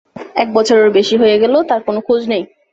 এক বছরেরও বেশি হয়ে গেল তার কোন খোঁজ নেই।